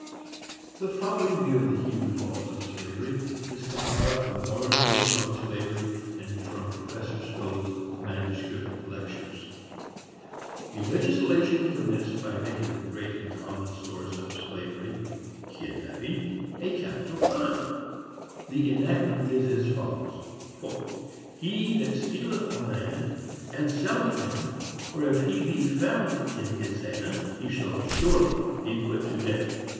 The following view of the Hebrew laws of slavery is compiled from Barnes' work on slavery, and from Professor Stowe's manuscript lectures. The legislation commenced by making the great and common source of slavery—kidnapping—a capital crime. The enactment is as follows: "He that stealeth a man and selleth him, or if he be found in his hand, he shall surely be put to death."